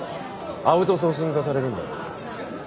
アウトソーシング化されるんだよ。